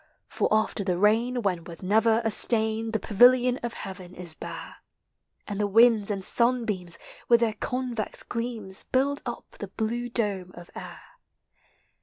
For after the rain, when, with never a stain, The pavilion of heaven is hare And the winds and sunbeams, with their COnves gleams, Build up the blue dome of air.